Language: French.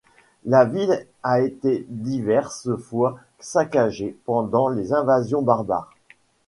La ville a été diverses fois saccagée pendant les invasions barbares.